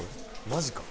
マジか。